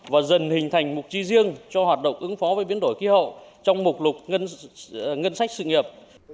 và dần hình thành mục trí riêng cho hoạt động ứng phó với biến đổi khí hậu trong mục lục ngân sách sự nghiệp